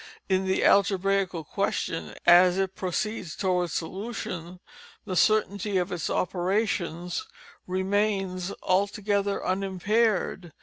In the algebraical question, as it proceeds towards solution, the _certainty _of its operations remains altogether unimpaired.